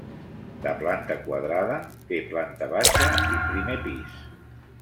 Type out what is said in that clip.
De planta quadrada té planta baixa i primer pis.